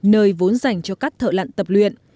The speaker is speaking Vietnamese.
nơi vốn dành cho các thợ lặn tập luyện